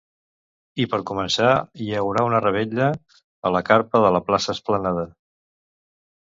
I, per començar, hi haurà una revetlla a la carpa de la Plaça Esplanada.